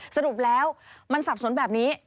สรุปแล้วมันสับสนแบบนี้